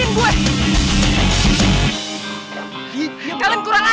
nah diam loh